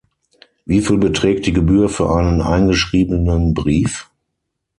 Wieviel beträgt die Gebühr für einen eingeschriebenen Brief?